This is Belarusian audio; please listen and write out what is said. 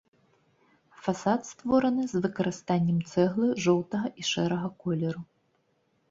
Фасад створаны з выкарыстаннем цэглы жоўтага і шэрага колеру.